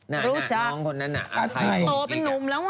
รู้จักโตเป็นนุ่มแล้ว